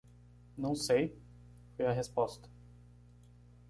"Não sei?" foi a resposta.